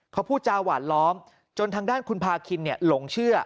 เขาพูดจาหวานล้อมจนทางด้านคุณพาคินหลงเชื่อ